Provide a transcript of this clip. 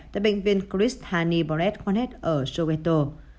tại bệnh viên chris hanny boret konnet ở soweto